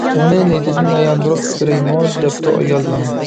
-ئۇنى نىيىتىدىن ياندۇرۇپ بېرەيمۇ؟ -دەپتۇ ئايال يەنە.